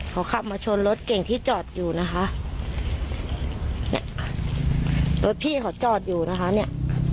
เขาขับมาชนรถเก่งที่จอดอยู่นะคะเนี่ยรถพี่เขาจอดอยู่นะคะเนี่ย